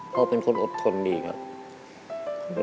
พ่อเป็นคนอดทนดีครับ